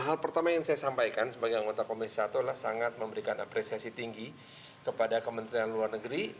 hal pertama yang saya sampaikan sebagai anggota komisi satu adalah sangat memberikan apresiasi tinggi kepada kementerian luar negeri